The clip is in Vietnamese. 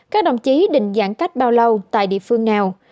các đồng chí định giãn cách bao lâu tại địa phương nào